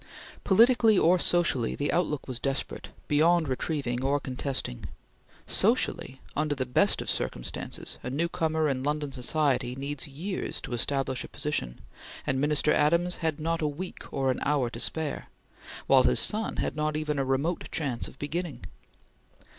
Politically or socially, the outlook was desperate, beyond retrieving or contesting. Socially, under the best of circumstances, a newcomer in London society needs years to establish a position, and Minister Adams had not a week or an hour to spare, while his son had not even a remote chance of beginning.